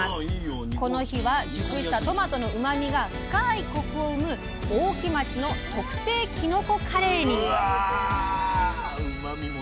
この日は熟したトマトのうまみが深いコクを生む大木町の特製きのこカレーに。